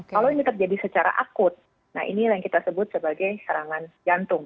kalau ini terjadi secara akut nah ini yang kita sebut sebagai serangan jantung